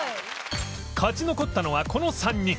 勝ち残ったのはこの３人